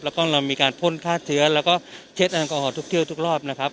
แล้วก็เรามีการพ่นค่าเถือนแล้วก็เช็ดอันกอร์ททุกที่ทุกรอบนะครับ